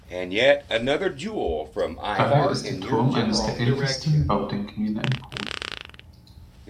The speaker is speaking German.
Daher ist der Turm eines der ältesten Baudenkmäler in Polen.